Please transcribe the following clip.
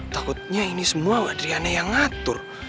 takutnya ini semua adriana yang ngatur